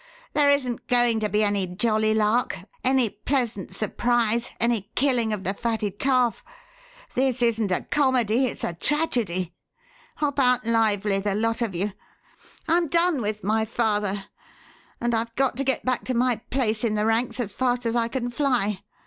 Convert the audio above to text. There isn't going to be any 'jolly lark,' any 'pleasant surprise,' any 'killing of the fatted calf.' This isn't a comedy it's a tragedy! Hop out lively the lot of you! I'm done with my father, and I've got to get back to my place in the ranks as fast as I can fly.